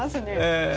ええ。